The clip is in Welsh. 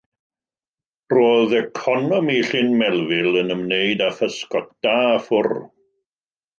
Roedd economi Llyn Melville yn ymwneud â physgota a ffwr.